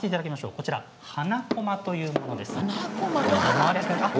こちらは花こまというものです。